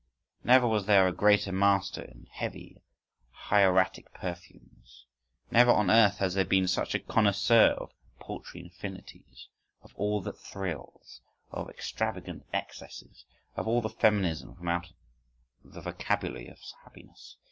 … Never was there a greater Master in heavy hieratic perfumes—Never on earth has there been such a connoisseur of paltry infinities, of all that thrills, of extravagant excesses, of all the feminism from out the vocabulary of happiness!